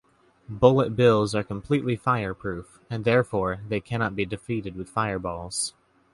Bullet Bills are completely fireproof, and therefore, they cannot be defeated with fireballs.